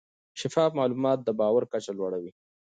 شفاف معلومات د باور کچه لوړه وي.